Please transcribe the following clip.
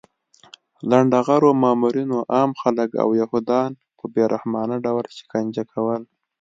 لنډغرو مامورینو عام خلک او یهودان په بې رحمانه ډول شکنجه کول